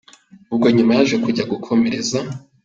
ubwo nyuma Yaje kujya gukomereza.